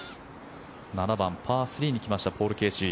７番、パー３に来ましたポール・ケーシー。